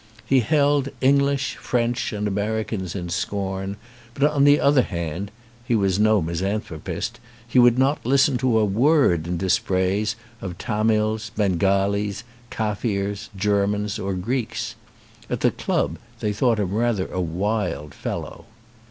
He held English, French, and Ameri cans in scorn; but on the other hand (he was no misanthropist) he would not listen to a word in dispraise of Tamils, Bengalis, Kaffirs, Germans, or Greeks. At the club they thought him rather a wild fellow.